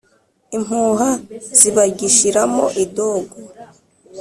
Impuha zibagishiramo idogo.